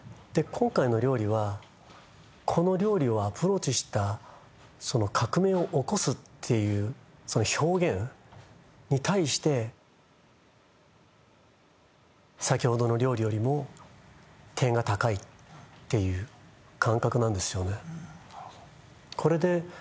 今回の料理はこの料理をアプローチした革命を起こすっていう表現に対して先ほどの料理よりも点が高いっていう感覚なんですよね